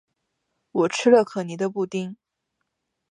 我吃了可妮的布丁